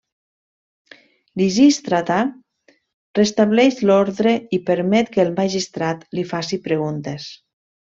Lisístrata restableix l'ordre i permet que el magistrat li faci preguntes.